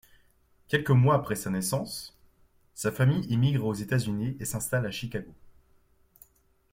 Quelques mois après sa naissance, sa famille émigre aux États-Unis et s'installe à Chicago.